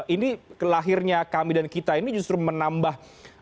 ini lahirnya kami dan kita ini justru menambah